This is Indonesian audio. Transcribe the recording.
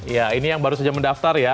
ya ini yang baru saja mendaftar ya